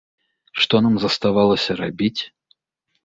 Што нам заставалася рабіць?